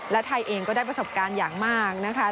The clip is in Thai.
และไทยเองก็ได้ประสบการณ์อย่างมากนะคะ